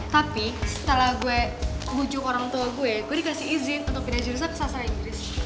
tapi setelah gue bujuk orang tua gue gue dikasih izin untuk pindah jurusan ke asal inggris